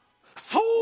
そう！